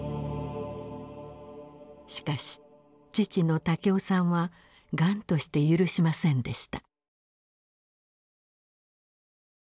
しかし父の武雄さんは頑として許しませんでした。